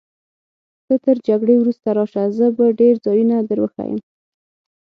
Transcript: ته تر جګړې وروسته راشه، زه به ډېر ځایونه در وښیم.